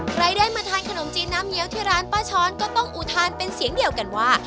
ใครได้มาทานขนมจีนน้ำเงี้ยวที่ร้านป้าช้อนก็ต้องอุทานเป็นเสียงเดียวกันว่า